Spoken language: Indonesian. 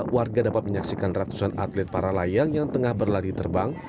warga dapat menyaksikan ratusan atlet para layang yang tengah berlatih terbang